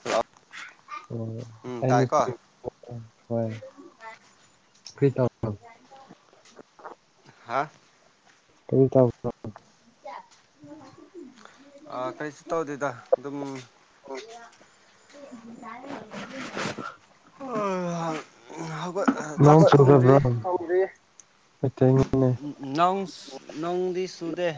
hello ꯎꯝ ꯇꯥꯏꯀꯣ ꯍꯣꯏ ꯀꯔꯤ ꯇꯧꯕ ꯍꯥ ꯀꯔꯤ ꯇꯧꯕ꯭ꯔꯣ ꯑꯥ ꯀꯔꯤꯁꯨ ꯇꯧꯗꯦꯗ ꯑꯗꯨꯝ [inaudible] ꯑꯥꯑ ꯅꯣꯡ ꯆꯨꯗꯕ꯭ꯔꯣ ꯅꯪꯁ ꯅꯣꯡꯗꯤ ꯆꯨꯗꯦ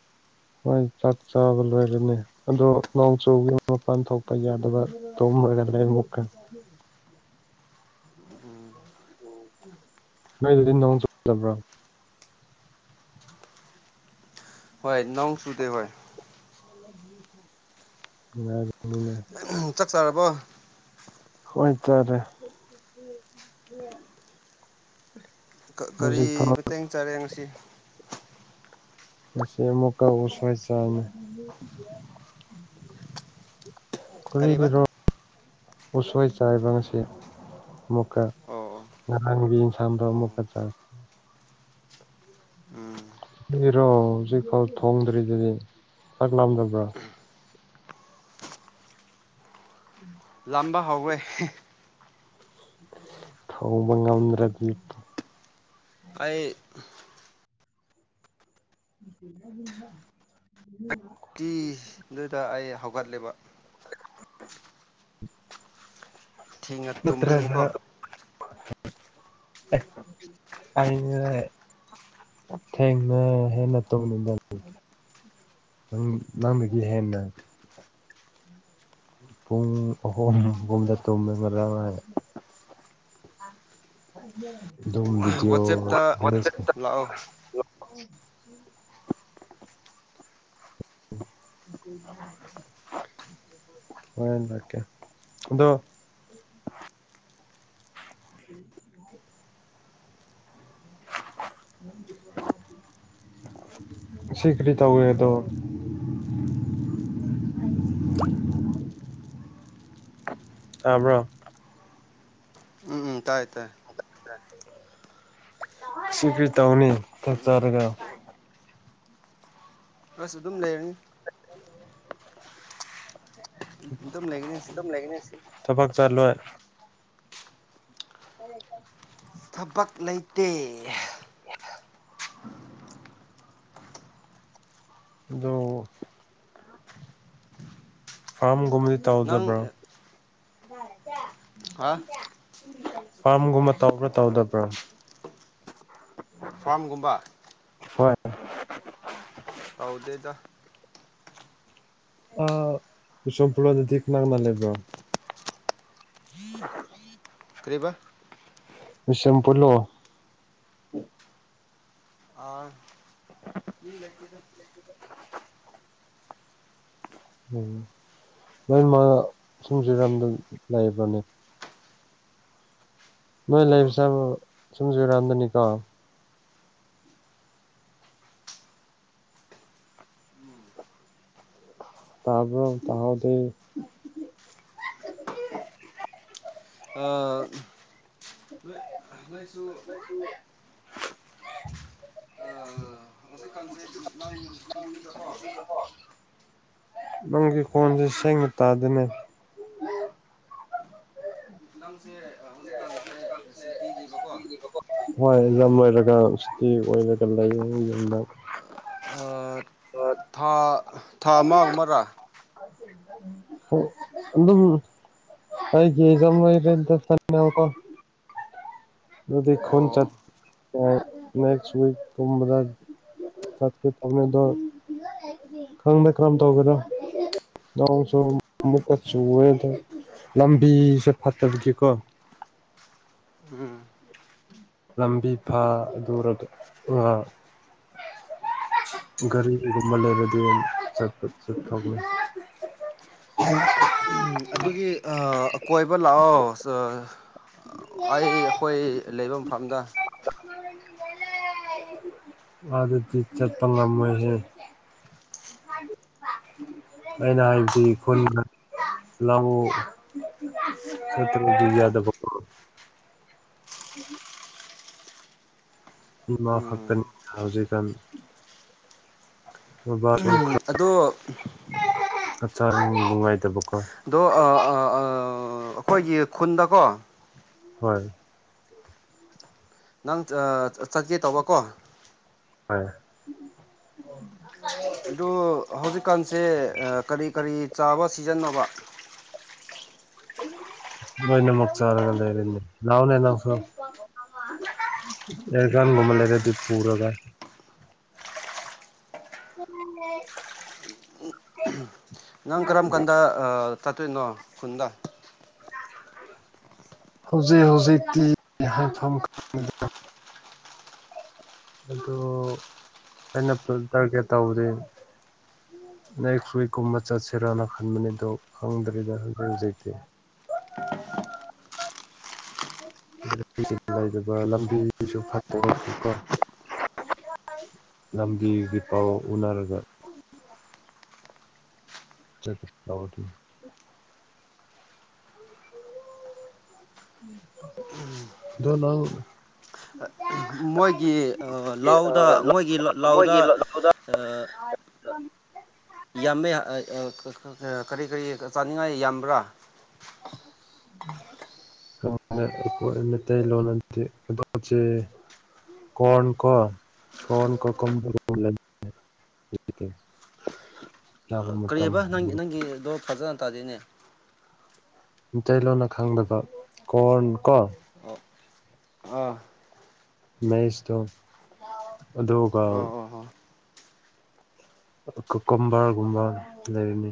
[inaudible] ꯍꯣꯏ ꯆꯥꯛ ꯆꯥꯕ ꯂꯣꯏꯔꯅꯤ ꯑꯗꯣ ꯅꯣꯡ ꯆꯨꯕꯒꯤ ꯃꯄꯥꯟ ꯊꯣꯛꯄ ꯌꯥꯗꯕ [unintelligible] ꯅꯪꯒꯤꯗꯤ ꯅꯣꯡ ꯆꯨꯗꯕ꯭ꯔꯣ ꯍꯣꯏ ꯅꯣꯡ ꯆꯨꯗꯦ ꯍꯣꯏ ꯅꯨꯉꯥꯢꯕꯅꯤꯅꯦ ꯆꯥꯛ ꯆꯥꯔꯕꯣ ꯍꯣꯢ ꯆꯥꯔꯦ ꯀꯔꯤ ꯍꯧꯖꯤꯛ ꯐꯥꯎ ꯃꯇꯦꯡ ꯆꯥꯔꯦ ꯉꯁꯤ ꯉꯁꯤ ꯃꯨꯛꯀ ꯎꯁꯣꯏ ꯆꯥꯏꯅꯦ ꯀꯔꯤꯕ ꯈꯔꯤꯔꯣ ꯎꯁꯣꯏ ꯆꯥꯏꯕ ꯉꯁꯤ ꯃꯨꯛꯀ ꯑꯣ ꯉꯔꯥꯡꯒꯤ ꯑꯦꯟꯁꯥꯡꯗꯣ ꯑꯣ ꯑꯣ ꯑꯃꯨꯛꯀ ꯆꯥꯢ ꯎꯝ ꯏꯔꯣ ꯍꯧꯖꯤꯛꯐꯥꯎ ꯊꯣꯡꯗ꯭ꯔꯤꯗꯨꯗꯤ ꯆꯥꯛ ꯂꯥꯝꯗꯕ꯭ꯔꯥ [inaudible] ꯇꯝꯕ ꯍꯧꯋꯦ ꯊꯧꯕ ꯉꯝꯗ꯭ꯔꯗꯤ ꯑꯩ [inaudible] ꯑꯗꯨꯗ ꯑꯩ ꯍꯧꯒꯠꯂꯦꯕ [inaudible] ꯊꯦꯡꯅ ꯇꯨꯝꯕꯒꯤꯀꯣ ꯑꯩꯁꯦ ꯊꯦꯡꯅ ꯍꯦꯟꯅ ꯇꯨꯝꯅꯤꯗ ꯅꯪ ꯅꯪꯅꯗꯤ ꯍꯦꯟꯅ ꯄꯨꯡ ꯑꯍꯨꯝꯒꯨꯝꯕꯗ ꯇꯨꯝꯃꯦ ꯉꯔꯥꯡ ꯑꯩ ꯑꯗꯨꯝ ꯕꯤꯗꯤꯑꯣ ꯋꯥꯆꯦꯞꯇ ꯂꯥꯛꯑꯣ [inaudible] [inaudible] ꯍꯣꯔꯦꯟ ꯍꯥꯏꯔꯛꯀꯦ ꯑꯗꯣ ꯎ [inaudible] [inaudible] ꯁꯤꯈꯔꯤ ꯇꯧꯋꯦꯗꯣ ꯑꯩ [inaudible] ꯇꯥꯕ꯭ꯔꯣ ꯎꯝ ꯎꯝ ꯇꯥꯏ ꯇꯥꯏ ꯁꯤ ꯀ꯭ꯔꯤ ꯇꯧꯅꯤ ꯆꯥꯛ ꯆꯥꯔꯒ ꯑꯁ ꯑꯗꯨꯝ ꯂꯩꯔꯅꯤ ꯑꯗꯨꯝ ꯂꯩꯒꯅꯤ ꯑꯗꯨꯝ ꯂꯩꯒꯅꯤ ꯊꯕꯛ ꯆꯠꯂꯣꯏ [inaudible] ꯊꯕꯛ ꯂꯩꯇꯦ ꯑꯗꯨ ꯐꯥꯔꯝꯒꯨꯝꯕꯗꯤ ꯅꯪ ꯇꯥꯎꯗꯕ꯭ꯔꯥ ꯍꯥ ꯐꯥꯔꯝꯒꯨꯝꯕ ꯇꯧꯕ꯭ꯔꯥ ꯇꯧꯗꯕ꯭ꯔꯥ ꯐꯥꯝꯒꯨꯝꯕ [inaudible] ꯇꯥꯎꯗꯦꯗ ꯑꯥ ꯕꯤꯁꯅꯨꯄꯨꯔ ꯔꯣꯝꯗꯗꯤ ꯀꯅꯥ ꯀꯅꯥ ꯂꯩꯕ꯭ꯔꯣ [inaudible] ꯀꯔꯤꯕ ꯕꯤꯁꯦꯝꯄꯨꯔꯗꯣ ꯑꯥ ꯃꯤ ꯂꯩꯇꯦꯗ [inaudible] ꯎꯝ ꯅꯣꯏ ꯃꯥ ꯁꯨꯝꯁꯤꯔꯝꯗ ꯂꯩꯥꯕꯅꯦ ꯅꯣꯏ ꯑꯗꯣ ꯂꯩꯕꯁꯦ ꯁꯨꯝ ꯁꯨꯔꯝꯗꯅꯤꯀꯣ ꯎꯝ ꯇꯥꯕꯔꯣ ꯇꯥꯍꯧꯗꯦ ꯑꯥ ꯑꯩꯈꯣꯏꯁꯨ ꯑꯥ [unintelligible] ꯅꯪꯒꯤ ꯀꯣꯟꯁꯦ ꯁꯦꯡꯅ ꯇꯥꯗꯅꯦ ꯐꯤꯂꯝꯁꯦ ꯍꯧꯖꯤꯛꯀꯥꯟꯁꯦ ꯁꯨꯇꯤꯅꯦꯕꯀꯣ ꯂꯝ ꯑꯣꯏꯔꯒ ꯁꯤꯇꯤ ꯑꯣꯏꯔꯒ ꯂꯩꯌꯦ ꯌꯨꯝꯗ ꯊꯥ ꯊꯥ ꯑꯃꯒꯨꯝ ꯃꯔꯥ ꯑꯗꯨꯝ [unintelligible] ꯑꯗꯨꯗꯤ ꯈꯨꯟ ꯆꯠ ꯑꯣ ꯅꯦꯛꯁ ꯋꯤꯛ ꯀꯨꯝꯕꯗ ꯆꯠꯀꯦ ꯇꯧꯅꯤꯗꯣ ꯈꯪꯗꯦ ꯀꯔꯝ ꯇꯧꯒꯗ꯭ꯔꯥ ꯅꯣꯡꯁꯨ ꯑꯃꯨꯛꯀ ꯆꯨꯌꯦ ꯑꯗꯨꯝ ꯂꯝꯕꯤꯁꯦ ꯐꯠꯇꯕꯒꯤꯀꯣ ꯎꯝ ꯂꯝꯕꯤ ꯐꯥꯗꯨꯔꯒꯦ ꯐꯥ ꯒꯥꯔꯤꯒꯨꯝꯕ ꯂꯩꯕꯗꯤ ꯆꯠꯄ ꯆꯊꯣꯛꯂꯦ ꯑꯗꯨꯒꯤ ꯑꯥ ꯀꯣꯏꯕ ꯂꯥꯛꯑꯣ ꯑꯩ ꯑꯩꯈꯣꯏ ꯂꯩꯐꯝ ꯐꯝꯗ ꯑꯗꯠꯇꯤ ꯆꯠꯄꯅ ꯉꯝꯃꯣꯏꯍꯦ ꯑꯩꯅ ꯍꯥꯏꯕꯗꯤ ꯈꯨꯜ ꯂꯥꯛꯎ [unintelligible] ꯏꯃꯥ ꯈꯛꯇꯅꯤ ꯎꯝ ꯍꯧꯖꯤꯛꯀꯥꯟ ꯕꯥꯕꯥ ꯎꯪ ꯑꯗꯣ ꯍꯛꯆꯥꯡ ꯅꯨꯡꯉꯥꯏꯗꯕꯛ ꯑꯗꯣ ꯑꯥ ꯑꯥ ꯑ ꯥ ꯑꯩꯈꯣꯏꯒꯤ ꯈꯨꯟꯗꯀꯣ ꯍꯣꯏ ꯅꯪ ꯑꯥ ꯆꯠꯀꯦ ꯇꯧꯕꯀꯣ ꯍꯣꯏ ꯑꯗꯨ ꯍꯧꯖꯤꯛꯀꯥꯟꯁꯦ ꯀꯔꯤ ꯀꯔꯤ ꯆꯥꯕ ꯁꯤꯖꯤꯟꯅꯣꯕ ꯂꯣꯏꯅꯃꯛ ꯆꯔꯒ ꯂꯩꯔꯅꯤ ꯂꯥꯎꯅꯦ ꯅꯪꯁꯨ ꯑꯦꯌꯔꯒꯟꯒꯨꯝꯕ ꯂꯩꯔꯗꯤ ꯄꯨꯔꯒ [inaudible] ꯅꯪ ꯀꯔꯝ ꯀꯥꯟꯗ ꯑꯥ ꯆꯠꯇꯣꯏꯅꯣ ꯈꯨꯟꯗ [inaudible] ꯍꯧꯖꯤꯛ ꯍꯧꯖꯤꯛ ꯇꯤ ꯍꯥꯏꯐꯝ ꯈꯪꯗꯦꯗꯥ ꯑꯗꯨ ꯑꯩꯅ ꯐꯨꯜ ꯇꯔꯒꯦꯠ ꯇꯧꯕꯗꯤ ꯅꯦꯛꯁ ꯋꯤꯛꯀꯨꯝꯕ ꯆꯠꯁꯤꯔꯅ ꯈꯟꯕꯅꯤꯗ ꯈꯪꯗ꯭ꯔꯤꯗ ꯍꯧꯖꯤꯛ ꯍꯧꯖꯤꯛꯇꯤ [unintelligible] ꯂꯝꯕꯤꯒꯤ ꯄꯥꯎ ꯎꯅꯔꯒ ꯆꯠꯀꯦ ꯇꯧꯕꯗꯤ ꯅꯑꯗꯣ ꯅꯪ ꯃꯣꯏꯒꯤ ꯑꯥ ꯂꯥꯎꯗ ꯃꯣꯏꯒꯤ ꯂꯥꯎꯗ ꯃꯣꯏꯒꯤ ꯂꯧꯗ ꯑꯥ [inaudible] ꯌꯥꯝꯃꯦ ꯑꯥ ꯑꯥ ꯀꯔꯤ ꯀꯔꯤ ꯆꯥꯅꯤꯡꯉꯥꯏ ꯌꯥꯝꯕ꯭ꯔꯥ [inaudible] ꯃꯩꯇꯩꯂꯣꯟ ꯑꯗꯨꯗꯤ [unintelligible] ꯀꯣꯟ ꯀꯣ ꯀꯣꯟ ꯀꯣ ꯀ [unintelligible] [inaudible] ꯀꯔꯤꯑꯕ ꯅꯪ ꯅꯪꯒꯤꯗꯣ ꯐꯖꯅ ꯇꯥꯗꯦꯅꯦ ꯃꯇꯩꯂꯣꯟꯅ ꯈꯪꯕꯗ ꯀꯣꯔꯟ ꯀꯣ ꯑꯣ ꯑꯥ ꯃꯦꯏꯁꯇꯣ ꯑꯗꯨꯒ ꯑꯣ ꯑꯣ ꯑꯣ ꯀꯀꯨꯝꯕꯔꯒꯨꯝꯕ ꯂꯩꯔꯤꯅꯤ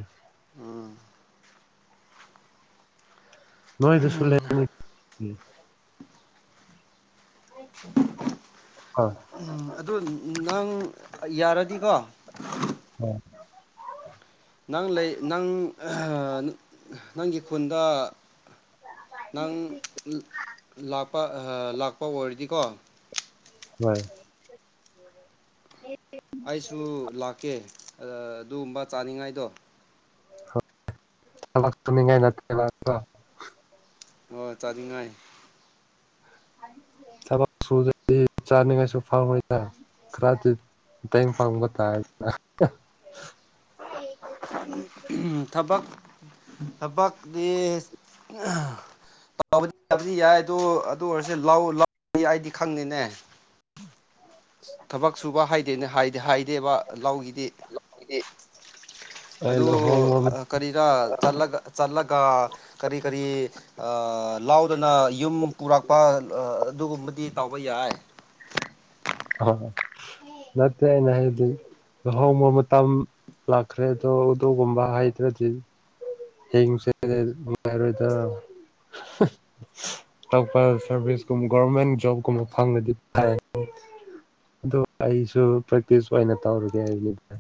ꯅꯣꯏꯗꯁꯨ ꯂꯩ [unintelligible] ꯑꯥ ꯎꯝ ꯑꯗꯨ ꯅꯪ ꯌꯥꯔꯗꯤꯀꯣ ꯎꯝ ꯅꯪ ꯂꯩ ꯅꯪ ꯑꯍ ꯅꯪꯒꯤ ꯈꯨꯟꯗ ꯅꯪ ꯂꯥꯛꯄ ꯑꯍ ꯂꯥꯛꯄ ꯑꯣꯏꯔꯗꯤꯀꯣ ꯍꯣꯏ ꯑꯦ ꯑꯩꯁꯨ ꯂꯥꯛꯀꯦ ꯑ ꯑꯗꯨꯒꯨꯝꯕ ꯆꯥꯅꯤꯡꯉꯥꯏꯗꯣ [unintelligible] ꯍꯣ ꯆꯥꯅꯤꯡꯉꯥꯏ ꯊꯕꯛ ꯁꯨꯗ꯭ꯔꯗꯤ ꯆꯥꯅꯤꯉꯥꯏꯁꯨ ꯐꯥꯎꯔꯣꯏꯗ ꯈꯔꯗꯤ ꯃꯇꯦꯡ ꯄꯥꯡꯕ ꯇꯥꯔꯦꯗꯅ ꯊꯕꯛ ꯊꯕꯛꯗꯤ ꯑꯍ [unintelligible] ꯌꯥꯗꯤ ꯌꯥꯏ ꯑꯗꯨ ꯑꯗꯨ ꯑꯣꯏꯔꯁꯨ ꯂꯥꯎ ꯑꯩꯗꯤ ꯈꯪꯗꯦꯅꯦ ꯊꯕꯛ ꯁꯨꯕ ꯍꯥꯏꯗꯦꯅꯦ ꯍꯥꯏꯗꯤ ꯍꯥꯢꯗꯦꯕ ꯂꯧꯒꯤ ꯢ ꯑꯩ ꯑꯗꯨ ꯂꯨꯍꯣꯡꯕ ꯀꯔꯤꯔꯥ ꯆꯠꯂꯒ ꯆꯠꯂꯒ ꯀꯔꯤ ꯀꯔꯤ ꯑ ꯂꯥꯎꯗꯅ ꯌꯨꯝ ꯄꯨꯔꯛꯄ ꯑꯗꯨꯒꯨꯝꯕꯗꯤ ꯇꯧꯕ ꯌꯥꯏ ꯑ ꯅꯠꯇꯦ ꯑꯩꯅ ꯍꯥꯢꯕꯗꯤ ꯂꯨꯍꯣꯡꯕ ꯃꯇꯝ ꯂꯥꯛꯈ꯭ꯔꯦ ꯑꯗꯣ ꯑꯗꯨꯒꯨꯝꯕ ꯍꯥꯏꯗ꯭ꯔꯗꯤ [unintelligible] ꯇꯣꯞꯄ ꯁꯔꯚꯤꯁꯀꯨꯝ ꯒꯣꯚꯔꯃꯦꯟꯠ ꯖꯣꯕ ꯀꯨꯝꯕ ꯈꯪꯔꯗꯤ [unintelligible] ꯑꯗꯨ ꯑꯩꯁꯨ ꯄ꯭ꯔꯦꯛꯇꯤꯁ ꯑꯣꯏꯅ ꯇꯧꯔꯒꯦ ꯍꯥꯏꯕꯅꯤꯗ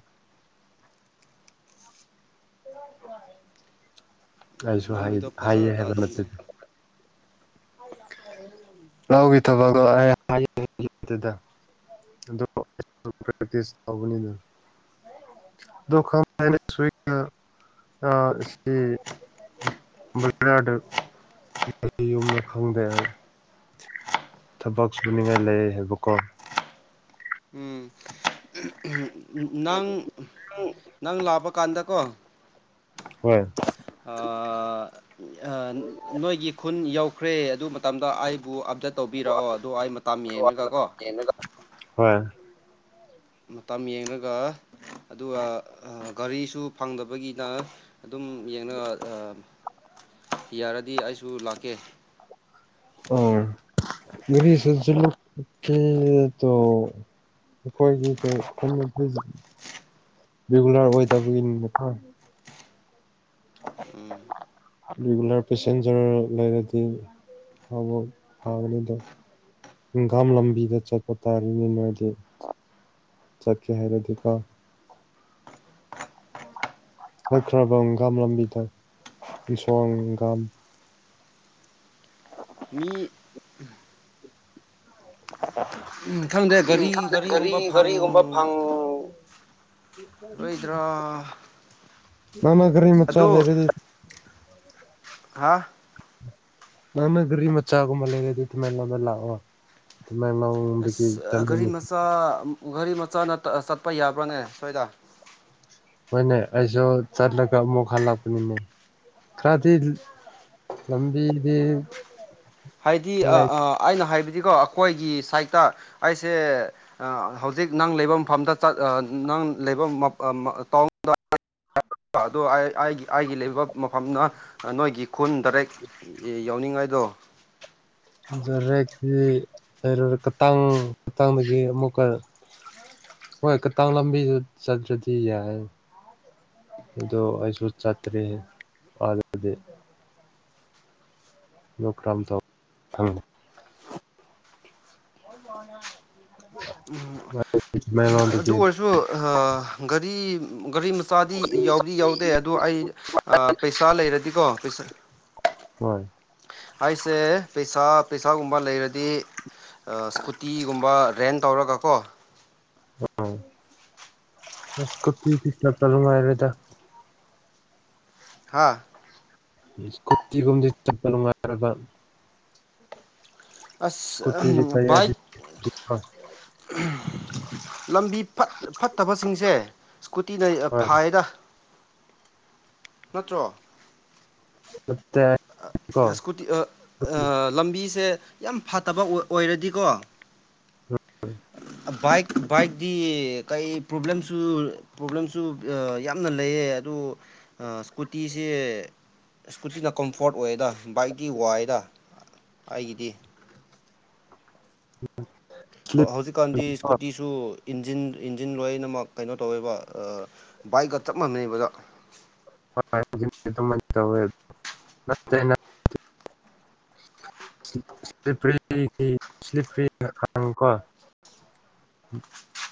ꯑꯩꯁꯨ ꯍꯥꯏ ꯅꯪꯒꯤꯗꯣ ꯍꯥꯏꯌꯦ ꯐꯖꯅ ꯍꯥꯏꯕ ꯇꯥꯗꯦꯅꯦ ꯅꯠꯇꯦꯗ ꯂꯧꯒꯤ ꯊꯕꯛ [unintelligible] ꯑꯗꯣ [unintelligible] ꯄ꯭ꯔꯦꯛꯇꯤꯁ ꯇꯧꯕꯅꯤꯗ [unintelligible] ꯑ ꯁꯤ [unintelligible] ꯈꯪꯗꯦ ꯊꯕꯛ ꯁꯨꯅꯤꯡꯉꯥꯏ ꯂꯩꯌꯦ ꯍꯥꯏꯕꯀꯣ ꯎꯝ ꯅꯪ ꯅꯪ ꯂꯥꯛꯄ ꯀꯥꯟꯗꯀꯣ ꯍꯣꯏ ꯑꯥ ꯑ ꯅꯣꯏꯒꯤ ꯈꯨ ꯈꯨꯟ ꯌꯧꯈ꯭ꯔꯦ ꯑꯗꯨ ꯃꯇꯝꯗ ꯑꯥꯢꯕꯨ ꯑꯞꯗꯦꯠ ꯇꯧꯕꯤꯔꯛꯑꯣ ꯑꯗꯨ ꯑꯩ ꯃꯥꯇꯝ ꯌꯦꯡꯔꯒꯀꯣ ꯍꯣꯏ ꯃꯇꯝ ꯌꯦꯡꯔꯒ ꯑꯗꯨꯒ ꯒꯥꯔꯤꯁꯨ ꯐꯪꯗꯕꯒꯤꯅ ꯑꯗꯨꯝ ꯌꯦꯡꯔꯒ ꯑ ꯌꯥꯔꯗꯤ ꯑꯩꯁꯨ ꯂꯥꯛꯀꯦ [unintelligible] ꯑꯩꯈꯣꯏꯒꯤ ꯀꯩ [unintelligible] ꯔꯤꯒꯨꯂꯔ ꯑꯣꯢꯗꯕꯒꯤꯅꯤꯗ ꯎꯝ ꯔꯤꯒꯨꯂꯔ ꯄꯦꯁꯦꯟꯖꯔ ꯂꯩꯔꯗꯤ [unintelligible] ꯘꯥꯝ ꯂꯝꯕꯤꯗ ꯆꯠꯄ ꯇꯥꯔꯤꯅꯦ ꯃꯥꯗꯤ ꯆꯠꯀꯦ ꯍꯥꯏꯔꯗꯤꯀꯣ ꯍꯣꯢ ꯈ꯭ꯔꯥꯕꯝꯘꯥꯝ ꯂꯝꯕꯤꯗ ꯀ꯭ꯔꯤꯁꯦꯟꯘꯥꯝ ꯃꯤ ꯈꯪꯗꯦ ꯎꯝ ꯒꯥꯔꯤ ꯈꯪꯗꯦ ꯒꯔꯤ ꯒꯥꯔꯤꯒꯨꯝꯕ ꯒꯔꯤꯒꯨꯝꯕ ꯐꯪ ꯔꯣꯏꯗ꯭ꯔꯥ ꯅꯪꯅ ꯒꯔꯤ ꯃꯆꯥ ꯂꯩꯔꯗꯤ ꯍꯥ ꯅꯪꯅꯒꯔꯤ ꯃꯆꯥꯒꯨꯝꯕ ꯂꯩꯔꯗꯤ ꯊꯤꯜꯂꯝꯃꯒ ꯂꯥꯛ ꯑꯣ ꯑꯁ ꯒꯥꯔꯤ UNINTELLIGIBLE ꯃꯆꯥ ꯒꯥꯔꯤ ꯃꯆꯥꯅꯠ ꯆꯠꯄ ꯌꯥꯕ꯭ꯔꯥꯅꯦ ꯁ꯭ꯋꯥꯏꯗ ꯍꯣꯏꯅꯦ ꯑꯩꯖꯨ ꯆꯠꯂꯒ ꯑꯃꯨꯛ ꯍꯜꯂꯛꯄꯅꯤꯅꯦ ꯈ꯭ꯔꯗꯤ ꯂꯝꯕꯤꯗꯤ ꯍꯥꯏꯗꯤ ꯑꯥꯑꯥ ꯑꯩꯅ ꯍꯥꯏꯕ ꯗꯤꯀꯣ ꯑꯩꯈꯣꯏꯒꯤ ꯁꯥꯏꯠꯇ ꯑꯩꯁꯦ ꯑꯥ ꯍꯧꯖꯤꯛ ꯅꯪ ꯂꯩꯕ ꯃꯐꯝꯗ ꯆꯠꯅ ꯅꯪ ꯂꯩꯕ ꯃꯐꯝ INAUDIBLE ꯑꯗꯣ ꯑꯩ ꯑꯩꯒꯤ ꯂꯩꯕ ꯃꯐꯝꯅ ꯅꯣꯏꯒꯤ ꯈꯨꯟꯗꯥꯏꯔꯦꯛ ꯌꯥꯎꯅꯤꯡꯉꯥꯏ ꯗꯣ INAUDIBLE UNINTELLIGIBLE ꯍꯣꯏ ꯀꯇꯥꯡꯎ ꯂꯝꯕꯤꯖꯤ ꯆꯠꯂꯗꯤ ꯌꯥꯏꯕ ꯑꯗꯨꯗꯣ ꯑꯩꯁꯨ ꯆꯠꯇꯔꯤ ꯑꯗꯨꯗꯣ ꯑꯗꯨ ꯀꯔꯝ ꯇꯧꯕ ꯈꯪꯗꯦ INAUDIBLE ꯑꯗꯨꯑꯣꯏꯔꯖꯨ ꯑꯥ ꯒꯥꯔꯤ-ꯒꯥꯔꯤꯃ ꯆꯥꯗꯤ ꯌꯥꯎꯗꯤ-ꯌꯥꯎꯗꯦ ꯑꯗꯣ ꯑꯩ ꯑꯥ ꯄꯩꯁꯥ ꯂꯩꯔꯗꯤ ꯀꯣ ꯄꯩꯁꯥ ꯍꯣꯌ ꯑꯩꯁꯦ ꯄꯩꯁꯥ-ꯄꯩꯁꯥꯒꯨꯝꯕ ꯂꯩꯔꯗꯤ ꯑꯥ ꯁ꯭ꯀꯨꯇꯤꯒꯨꯝꯕ ꯔꯦꯟ ꯇꯧꯔꯒ ꯀꯣ ꯑꯪ ꯏꯁ꯭ꯀꯨꯇꯤꯗꯤ ꯆꯠꯄ ꯅꯨꯡꯉꯥꯢꯔꯣꯢꯗ ꯍꯥꯥꯑꯥ ꯁ꯭ꯀꯨꯇꯤꯒꯨꯝꯕꯗꯤ ꯆꯠꯄ ꯅꯨꯡꯉꯥꯏꯔꯣꯏꯕ ꯑꯁ ꯁ꯭ꯀꯨꯇꯤꯒꯤ ꯇꯥꯏꯌꯔꯗꯤ ꯕꯥꯏꯛ ꯄꯤꯛꯄ ꯂꯝꯕꯤ ꯐꯠꯇ-ꯐꯠꯇꯕꯁꯤꯡꯁꯦ ꯁ꯭ꯀꯨꯇꯤ ꯂꯩ ꯐꯩꯑꯗꯥ ꯅꯠꯇ꯭ꯔꯣ ꯑꯥꯛꯑꯥ ꯁ꯭ꯀꯨꯇꯤ ꯑꯥ ꯂꯝꯕꯤꯖꯦ ꯌꯥꯝꯐꯠꯇꯕ ꯑꯣꯏ ꯑꯣꯏꯔꯗꯤꯀꯣ INAUDIBLE ꯕꯥꯏꯛ ꯕꯥꯏꯛꯗꯤ ꯀꯩ ꯄ꯭ꯔꯣꯕ꯭ꯂꯦꯝꯁꯨ ꯄ꯭ꯔꯣꯕ꯭ꯂꯦꯝꯁꯨ ꯌꯥꯝꯅ ꯂꯩꯌꯦ ꯎ ꯑꯥ ꯁꯀꯨꯇꯤꯁꯦ ꯁ꯭ꯀꯨꯇꯤ ꯀꯝꯐꯣꯔꯠ ꯑꯣꯏꯗ ꯕꯥꯏꯛꯗꯤ ꯋꯥꯏꯑꯗ ꯑꯩꯒꯤꯗꯤ INAUDIBLE ꯑꯣꯑꯣ ꯍꯧꯖꯤꯛꯀꯥꯟꯗꯤ ꯁ꯭ꯀꯨꯇꯤꯁꯨ ꯏꯟꯖꯤꯟ ꯏꯟꯖꯤꯟ ꯂꯣꯏꯅꯃꯛ ꯀꯩꯅꯣ ꯇꯧꯋꯦꯕ ꯑꯥ ꯕꯥꯏꯛꯀ ꯆꯞ ꯃꯥꯟꯅꯩꯕꯗ ꯑꯗꯨꯃꯥꯏꯅ ꯇꯧꯋꯦ ꯅꯠꯇꯦꯅꯠ UNINTELLIGIBLE INAUDIBLE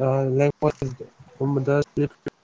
UNINTELLIGIBLE